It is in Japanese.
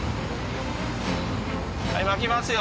はい巻きますよ。